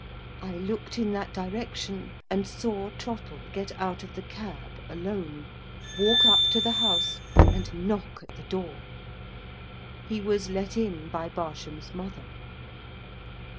I looked in that direction, and saw Trottle get out of the cab alone, walk up to the house, and knock at the door. He was let in by Barsham's mother.